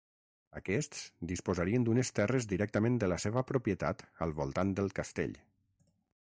Aquests disposarien d'unes terres directament de la seva propietat al voltant del castell.